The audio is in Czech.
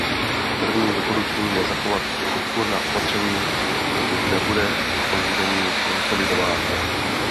Prvním doporučením je zachovat podpůrná opatření, dokud nebude oživení konsolidováno.